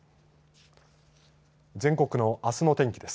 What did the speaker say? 全国のあすの天気です。